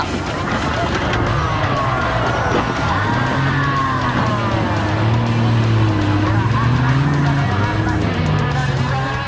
seri keempat di seri keempat